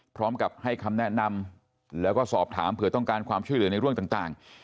พร้อมกับให้คำแนะนำแล้วก็สอบถามเผื่อต้องการความช่วยเหลือในเรื่องต่าง